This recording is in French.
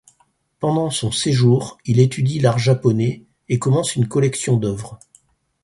Pendant son séjour, il étudie l'art japonais et commence une collection d’œuvres.